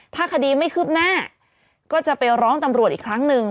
ถ้าคดีไม่คืบหน้าก็จะไปร้องตำรวจอีกครั้งหนึ่ง